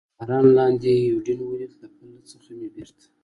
تر باران لاندې یوډین ولید، له پله څخه مې بېرته.